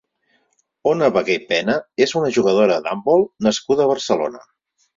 Ona Vegué Pena és una jugadora d'handbol nascuda a Barcelona.